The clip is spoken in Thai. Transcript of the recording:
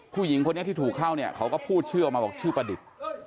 ผู้หญิงคนนี้ที่ถูกเข้าเนี่ยเขาก็พูดชื่อออกมาบอกชื่อประดิษฐ์